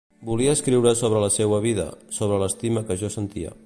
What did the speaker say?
Volia escriure sobre la seua vida, sobre l’estima que jo sentia.